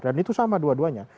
dan itu sama dua duanya